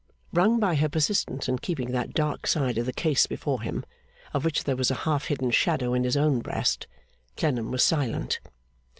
Wrung by her persistence in keeping that dark side of the case before him, of which there was a half hidden shadow in his own breast, Clennam was silent.